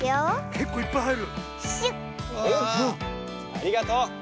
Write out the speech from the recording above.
ありがとう！